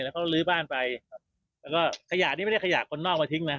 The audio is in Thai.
แล้วเขาลื้อบ้านไปแล้วก็ขยะนี้ไม่ได้ขยะคนนอกมาทิ้งนะ